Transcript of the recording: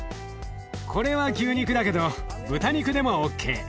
これは牛肉だけど豚肉でもＯＫ。